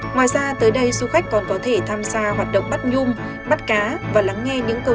ngoài ra tới đây du khách còn có thể tham gia hoạt động bắt nhung bắt cá và lắng nghe những câu chuyện